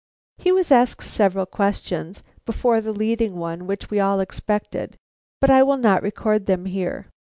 He was asked several questions before the leading one which we all expected; but I will not record them here.